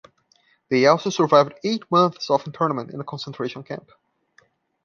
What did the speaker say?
They also survived eight months of internment in a concentration camp.